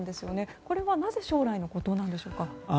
これは、なぜ将来のことなんでしょうか。